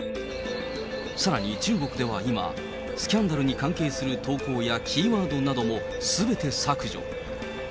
さらに、中国では今、スキャンダルに関係する投稿やキーワードなども、すべて削除。